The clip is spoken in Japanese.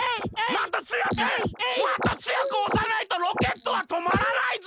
もっとつよくおさないとロケットはとまらないぞ！